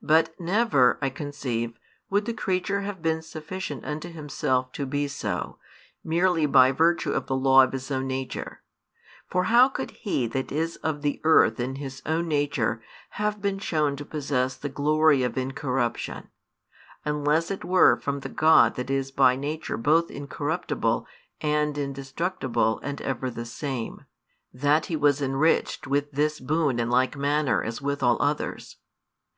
But never, I conceive, would the creature have been sufficient unto himself to be so, merely by virtue of the law of his own nature; for how could he that is of the earth in his own nature have been shown to possess the glory of incorruption, unless it were from the God that is by nature both incorruptible and indestructible and ever the same, that he was enriched with this boon in like manner as with all others?